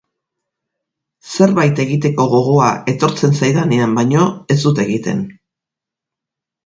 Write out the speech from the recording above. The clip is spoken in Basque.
Zerbait egiteko gogoa etortzen zaidanean baino ez dut egiten.